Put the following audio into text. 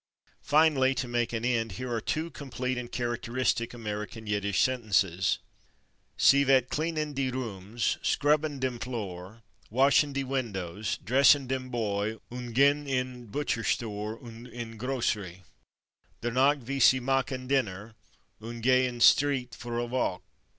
Finally, to make an end, here are two complete and characteristic American Yiddish sentences: "Sie wet /clean'n/ die /rooms/, /scrub'n/ dem /floor/, /wash'n/ die /windows/, /dress'n/ dem /boy/ und gehn in /butcher store/ und in /grocery/. Dernoch vet sie machen /dinner/ und gehn in /street/ für a /walk